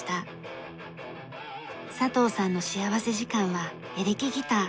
佐藤さんの幸福時間はエレキギター。